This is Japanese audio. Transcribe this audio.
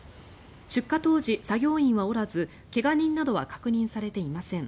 出火当時、作業員はおらず怪我人などは確認されていません。